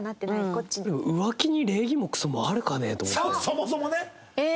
そもそもね。